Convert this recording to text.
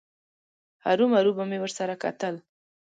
هرومرو به مې ورسره کتل.